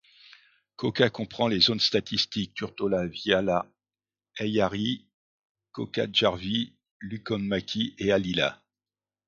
Kauka comprend les zones statistiques: Turtola, Viiala, Haihara, Kaukajärvi, Lukonmäki et Hallila.